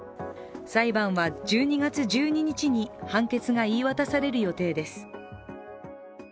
裁判は１２月１２日に判決が言い渡される予定です